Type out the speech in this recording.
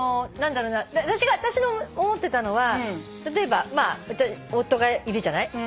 何だろうな私の思ってたのは例えば夫がいるじゃない？